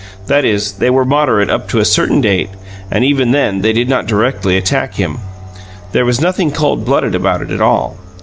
That is, they were moderate up to a certain date, and even then they did not directly attack him there was nothing cold blooded about it at all.